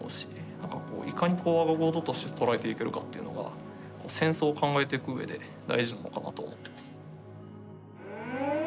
なんかこういかに我が事として捉えていけるかというのが戦争を考えていくうえで大事なのかなと思ってます。